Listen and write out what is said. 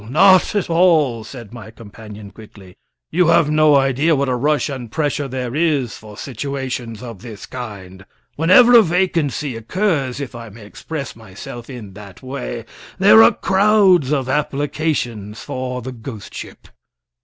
not at all!" said my companion quickly. "You have no idea what a rush and pressure there is for situations of this kind. Whenever a vacancy occurs, if I may express myself in that way, there are crowds of applications for the ghost ship."